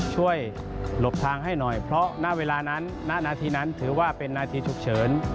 หลบทางให้หน่อยเพราะณเวลานั้นณนาทีนั้นถือว่าเป็นนาทีฉุกเฉิน